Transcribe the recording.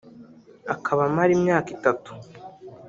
akaba amara imyaka itatu